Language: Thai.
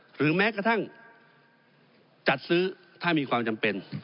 หรือแม้กระทั่งจัดซื้อถ้ามีความจำเป็น